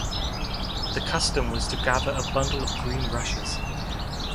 The custom was to gather a bundle of green rushes.